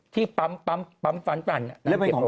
ที่ปั๊มฟันปั่น